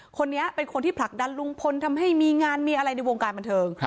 คนนี้เป็นคนที่ผลักดันลุงพลทำให้มีงานมีอะไรในวงการบันเทิง